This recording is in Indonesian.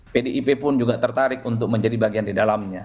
pdip pun juga tertarik untuk menjadi bagian di dalamnya